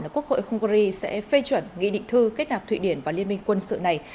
quốc hội hungary sẽ phê chuẩn nghị định thư kết nạp thụy điển và liên minh quân sự này